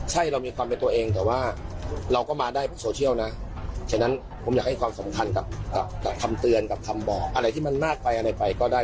เหมือนกับคำเตือนกับคำบอกอะไรที่มันมากไปไปก็ได้